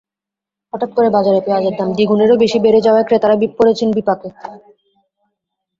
হঠাৎ করে বাজারে পেঁয়াজের দাম দ্বিগুণেরও বেশি বেড়ে যাওয়ায় ক্রেতারা পড়েছেন বিপাকে।